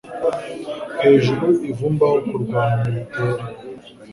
hejuru ivumbi aho kurwanya bitera